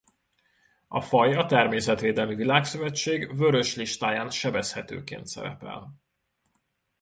A faj a Természetvédelmi Világszövetség Vörös listáján sebezhetőként szerepel.